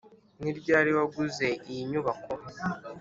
ni ryari waguze iyi nyubako?